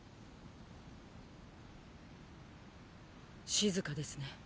静かですね。